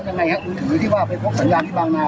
ยังไงฮะมือถือที่ว่าไปพกสัญญาณที่บางนา